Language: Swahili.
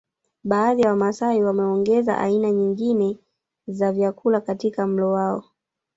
Baadhi ya wamasai wameongeza aina nyingine za vyakula katika mlo wao